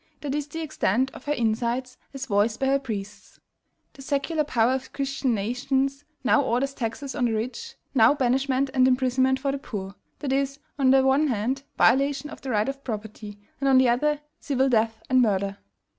That is the extent of her insight as voiced by her priests. The secular power of Christian nations now orders taxes on the rich, now banishment and imprisonment for the poor; that is, on the one hand, violation of the right of property, and, on the other, civil death and murder.